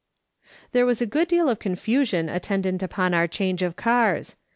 There was a good deal of confusion attendant upon our change of cars.